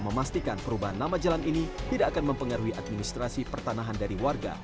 memastikan perubahan nama jalan ini tidak akan mempengaruhi administrasi pertanahan dari warga